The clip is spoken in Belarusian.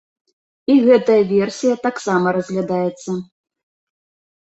І гэтая версія таксама разглядаецца.